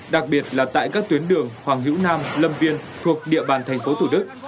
đặc biệt là tại các tuyến đường hoàng hữu nam lâm viên thuộc địa bàn thành phố thủ đức